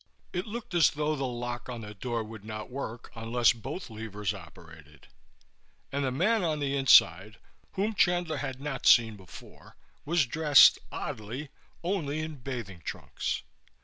It looked as though the lock on the door would not work unless both levers operated; and the man on the inside, whom Chandler had not seen before, was dressed, oddly, only in bathing trunks.